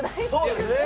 そうですね。